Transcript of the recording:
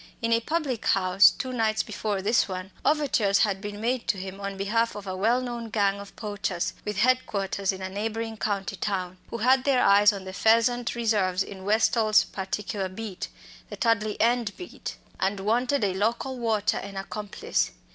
In a public house two nights before this one, overtures had been made to him on behalf of a well known gang of poachers with head quarters in a neighbouring county town, who had their eyes on the pheasant preserves in Westall's particular beat the Tudley End beat and wanted a local watcher and accomplice.